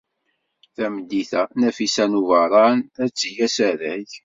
Tameddit-a, Nafisa n Ubeṛṛan ad d-teg asarag.